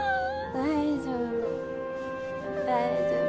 大丈夫。